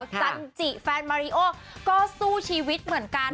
จันจิแฟนมาริโอก็สู้ชีวิตเหมือนกัน